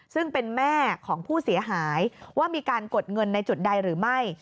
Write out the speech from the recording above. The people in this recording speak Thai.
ซึ่งเป็นแม่ของผู้เสียหายว่ามีการกดเงินในจุดใดหรือไม่